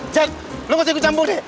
jack lo gak usah gue campur deh